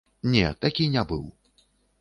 Не, такі не быў.